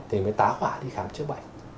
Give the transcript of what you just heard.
thì mới tá hỏa đi khám chữa bệnh